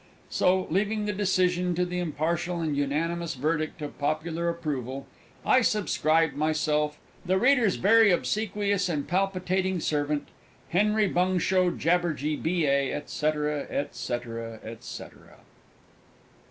So, leaving the decision to the impartial and unanimous verdict of popular approval, I subscribe myself, The Reader's very obsequious and palpitating Servant, HURRY BUNGSHO JABBERJEE, B.A., etcetera, etcetera, etcetera.